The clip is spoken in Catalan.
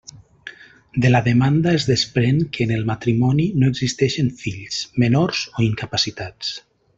De la demanda es desprèn que en el matrimoni no existeixen fills, menors o incapacitats.